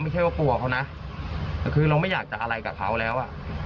ไม่ใช่ว่ากลัวเขานะแต่คือเราไม่อยากจะอะไรกับเขาแล้วอ่ะ